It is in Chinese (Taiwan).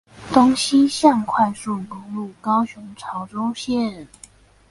東西向快速公路高雄潮州線